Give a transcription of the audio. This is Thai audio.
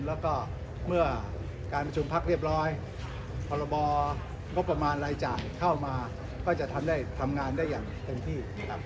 แล้วก็เมื่อการประชุมพักเรียบร้อยพรบงบประมาณรายจ่ายเข้ามาก็จะทำได้ทำงานได้อย่างเต็มที่นะครับ